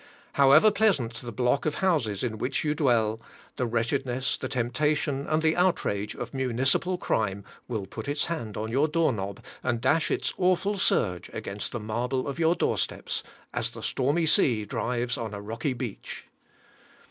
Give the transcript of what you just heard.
However pleasant the block of houses in which you dwell, the wretchedness, the temptation, and the outrage of municipal crime will put its hand on your door knob, and dash its awful surge against the marble of your door steps, as the stormy sea drives on a rocky beach.